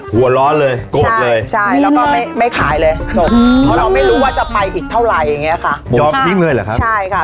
หัวล้อนเลยโกรธเลย